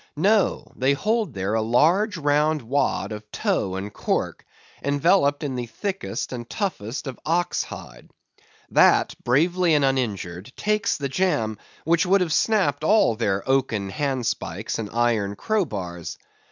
No, they hold there a large, round wad of tow and cork, enveloped in the thickest and toughest of ox hide. That bravely and uninjured takes the jam which would have snapped all their oaken handspikes and iron crow bars.